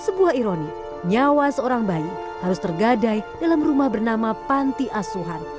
sebuah ironi nyawa seorang bayi harus tergadai dalam rumah bernama panti asuhan